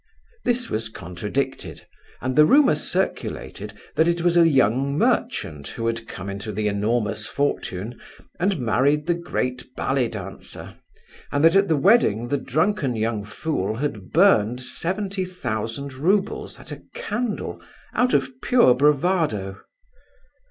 This was contradicted, and the rumour circulated that it was a young merchant who had come into the enormous fortune and married the great ballet dancer, and that at the wedding the drunken young fool had burned seventy thousand roubles at a candle out of pure bravado.